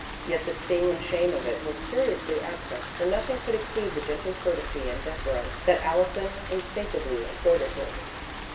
Yet the sting and shame of it were curiously absent, for nothing could exceed the gentle courtesy and deference that Allison instinctively accorded her.